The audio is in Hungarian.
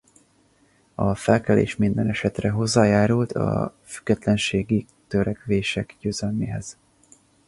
A felkelés mindenesetre hozzájárult a függetlenségi törekvések győzelméhez.